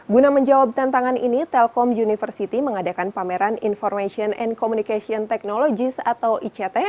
guna menjawab tantangan ini telkom university mengadakan pameran information and communication technologies atau ict